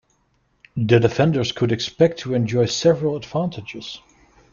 The defenders could expect to enjoy several advantages.